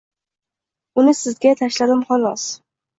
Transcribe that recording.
Uni sizga tashladim, xolos.